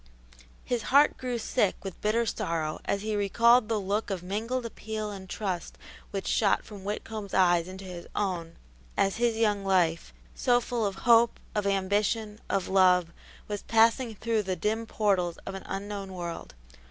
His heart grew sick with bitter sorrow as he recalled the look of mingled appeal and trust which shot from Whitcomb's eyes into his own as his young life, so full of hope, of ambition, of love, was passing through the dim portals of an unknown world.